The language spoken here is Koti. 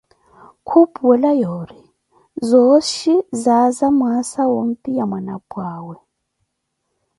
Khupuwela yoori, zooxhi zaaza mwaasa wompiya mwanapwa awe.